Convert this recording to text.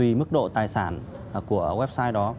vì mức độ tài sản của website đó